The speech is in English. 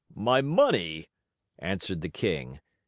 "My money," answered the king.